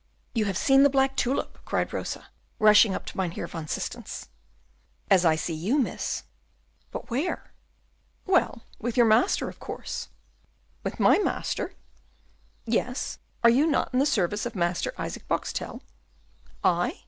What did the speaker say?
"You have seen the black tulip!" cried Rosa, rushing up to Mynheer van Systens. "As I see you, miss." "But where?" "Well, with your master, of course." "With my master?" "Yes, are you not in the service of Master Isaac Boxtel?" "I?"